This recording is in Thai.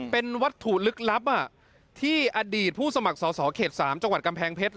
เป็นวัตถุลึกลับที่อดีตผู้สมัครสอสอเขต๓จังหวัดกำแพงเพชร